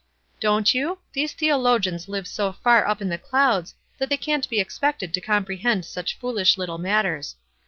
"Don't you? These theologians live so far up in the clouds that they can't be expected to comprehend such foolish little matters.